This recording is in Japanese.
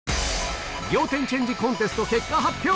仰天チェンジコンテスト結果発表！